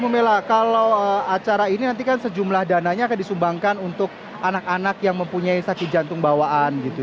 bu mela kalau acara ini nanti kan sejumlah dananya akan disumbangkan untuk anak anak yang mempunyai sakit jantung bawaan gitu